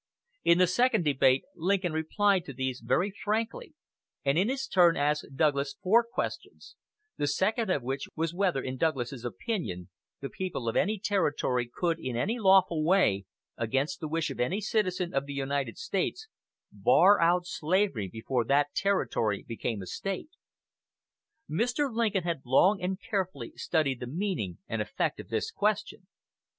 In the second debate Lincoln replied to these very frankly, and in his turn asked Douglas four questions, the second of which was whether, in Douglas's opinion, the people of any Territory could, in any lawful way, against the wish of any citizen of the United States, bar out slavery before that Territory became a State. Mr. Lincoln had long and carefully studied the meaning and effect of this question.